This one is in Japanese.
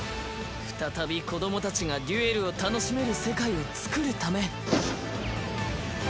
再び子どもたちがデュエルを楽しめる世界を作るため。